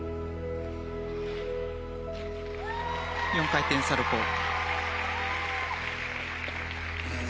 ４回転サルコウ。